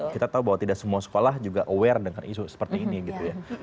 kita tahu bahwa tidak semua sekolah juga aware dengan isu seperti ini gitu ya